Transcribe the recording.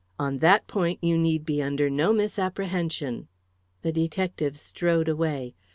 On that point you need be under no misapprehension." The detective strode away.